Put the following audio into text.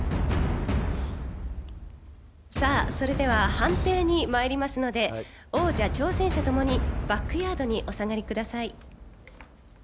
さあそれでは判定に参りますので王者・挑戦者ともにバックヤードにお下がりください。